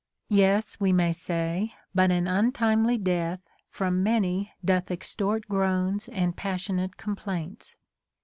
317 16. Yes, we may say, but an untimely death from many doth extort groans and passionate complaints.